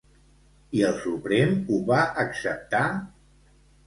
I el Suprem ho va acceptar?